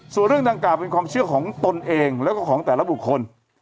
ส่วนเรื่องดังกล่าวเป็นความเชื่อของตนเองแล้วก็ของแต่ละบุคคล